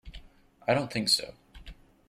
I don't think so.